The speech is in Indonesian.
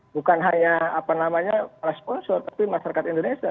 bukan hanya para sponsor tapi masyarakat indonesia